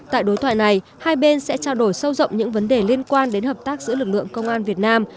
tại đối thoại này hai bên sẽ trao đổi sâu rộng những vấn đề liên quan đến hợp tác giữa lực lượng công an việt nam